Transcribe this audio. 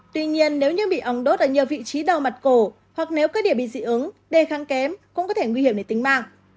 tuy nhiên nếu như bị ong đốt ở nhiều vị trí đầu mặt cổ hoặc nếu các địa bị dị ứng đề kháng kém cũng có thể nguy hiểm đến tính mạng